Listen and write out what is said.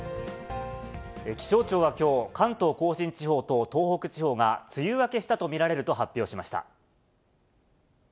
気象庁はきょう、関東甲信地方と東北地方が梅雨明けしたと見られると発表しました。